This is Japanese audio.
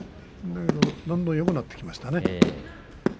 どんどんよくなってきましたね。